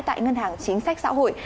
tại ngân hàng chính sách xã hội